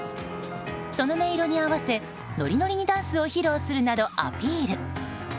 その音色に合わせ、ノリノリにダンスを披露するなど、アピール。